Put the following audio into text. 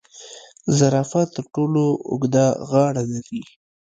زرافه تر ټولو اوږده غاړه لري